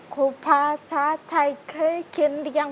ขอฟังหน่อยสิเพลงพี่เอิญเนี่ย